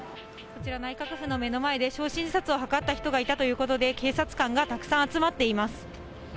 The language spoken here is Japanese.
こちら内閣府の目の前で焼身自殺を図った人がいたということで、警察官がたくさん集まっています。